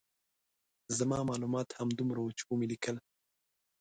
زما معلومات همدومره وو چې ومې لیکل.